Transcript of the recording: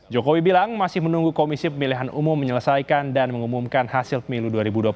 jokowi bilang masih menunggu komisi pemilihan umum menyelesaikan dan mengumumkan hasil pemilu dua ribu dua puluh empat